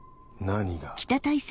何が？